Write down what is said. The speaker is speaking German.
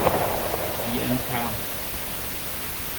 Die Mk.